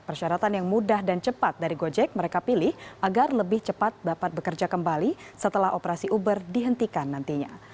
persyaratan yang mudah dan cepat dari gojek mereka pilih agar lebih cepat dapat bekerja kembali setelah operasi uber dihentikan nantinya